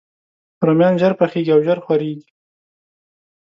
رومیان ژر پخیږي او ژر خورېږي